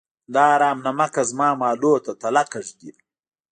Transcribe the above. دا حرام نمکه زما مالونو ته تلکه ږدي.